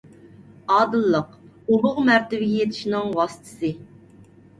ئادىللىق – ئۇلۇغ مەرتىۋىگە يېتىشنىڭ ۋاسىتىسى.